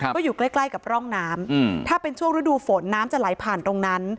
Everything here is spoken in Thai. ก็อยู่ใกล้กับร่องน้ำถ้าเป็นช่วงฤดูฝนน้ำจะไหลผ่านตรงนั้น